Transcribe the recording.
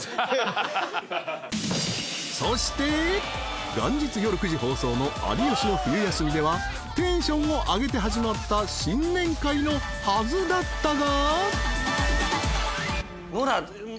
［そして元日夜９時放送の『有吉の冬休み』ではテンションを上げて始まった新年会のはずだったが］